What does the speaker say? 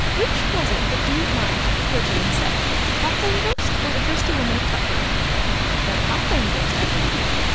Which was it that didn't mind what the clergyman said? The Cock lane Ghost or the Thirsty Woman of Tutbury?' 'The Cock lane Ghost, I believe.